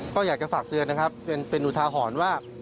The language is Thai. ก็อยากจะฝากเตือนนะครับเป็นอุทาหรณ์ว่า